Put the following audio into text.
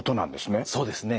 そうですね。